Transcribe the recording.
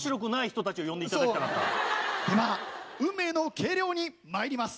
では運命の計量にまいります！